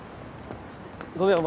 ごめん。